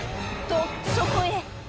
と、そこへ。